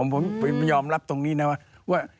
ผมยอมรับตรงนี้นะว่า